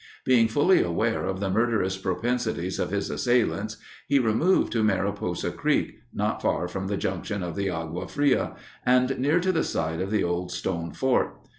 Being fully aware of the murderous propensities of his assailants, he removed to Mariposa Creek, not far from the junction of the Agua Fria, and near to the site of the old stone fort.